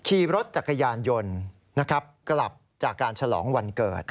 ขี่รถจักรยานยนต์กลับจากการฉลองวันเกิด